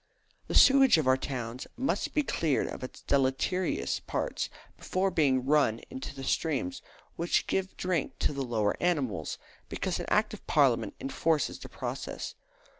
The sewage of our towns must be cleaned of its deleterious parts before being run into the streams which give drink to the lower animals, because an Act of Parliament enforces the process.